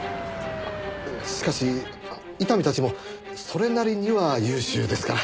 しかし伊丹たちもそれなりには優秀ですから。